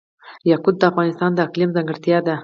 یاقوت د افغانستان د اقلیم ځانګړتیا ده.